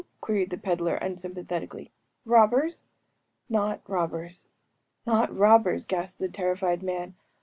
‚ÄĚ queried the peddler, unsympathetically. ‚ÄúRobbers?‚ÄĚ “Not robbers,‚ÄĒnot robbers,‚ÄĚ gasped the terrified man...